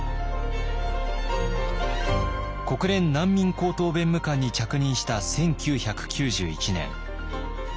国連難民高等弁務官に着任した１９９１年。